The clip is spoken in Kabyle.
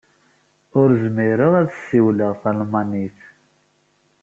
Ur zmireɣ ad ssiwleɣ talmanit.